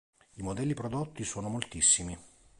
I modelli prodotti sono moltissimi.